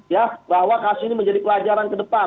ya bahwa kasus ini menjadi pelajaran ke depan